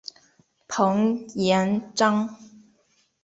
彭彦章。